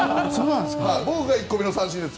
僕が１個目の三振です。